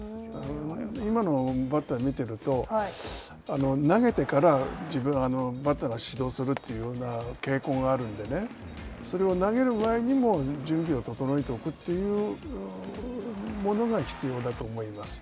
今のバッターを見ていると、投げてから自分、バッターが始動するというような傾向があるのでね、それを投げる前に準備を整えておくというものが必要だと思います。